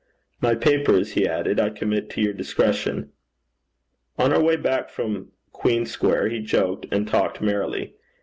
'My papers,' he added, 'I commit to your discretion.' On our way back from Queen Square, he joked and talked merrily.